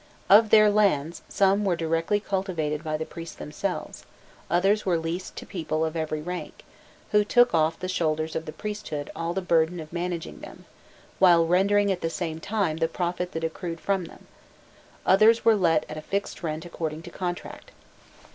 Of their lands, some were directly cultivated by the priests themselves; others were leased to lay people of every rank, who took off the shoulders of the priesthood all the burden of managing them, while rendering at the same time the profit that accrued from them; others were let at a fixed rent according to contract.